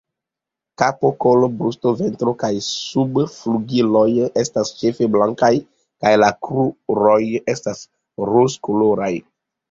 Kapo, kolo, brusto, ventro kaj subflugiloj estas ĉefe blankaj kaj la kruroj estas rozkoloraj.